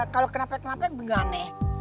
kalo kenapa kenapa bengane